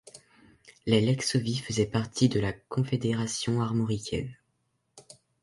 Les Lexovii faisaient partie de la Confédération armoricaine.